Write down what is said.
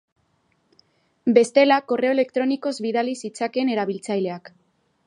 Bestela, korreo elektronikoz bidali zitzakeen erabiltzaileak.